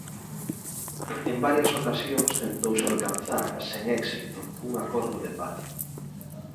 En varias ocasións tentouse alcanzar, sen éxito, un acordo de paz.